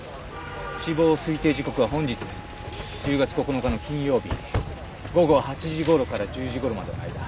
死亡推定時刻は本日１０月９日の金曜日午後８時頃から１０時頃までの間。